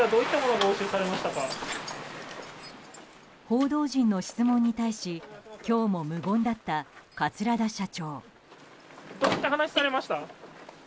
報道陣の質問に対し今日も無言だった桂田社長。